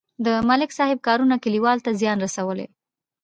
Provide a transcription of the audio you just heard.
د ملک صاحب کارونو کلیوالو ته زیان رسولی.